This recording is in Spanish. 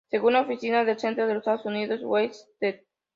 Según la Oficina del Censo de los Estados Unidos, West St.